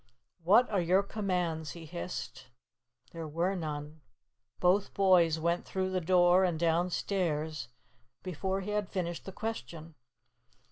"What are your commands?" he hissed. There were none. Both boys were through the door and downstairs before he had finished the question.